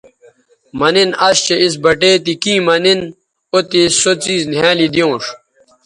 مہ نِن اش چہء اِس بٹے تی کیں مہ نِن او تے سو څیز نِھیالی دیونݜ